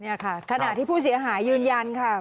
นี่ค่ะขณะที่ผู้เสียหายยืนยันค่ะ